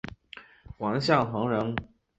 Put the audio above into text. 王象恒人。